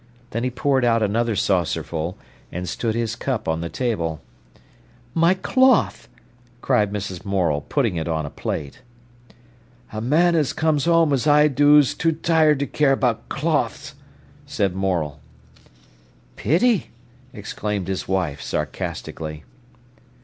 Then he poured out another saucerful, and stood his cup on the table. "My cloth!" said Mrs. Morel, putting it on a plate. "A man as comes home as I do 's too tired to care about cloths," said Morel. "Pity!" exclaimed his wife, sarcastically.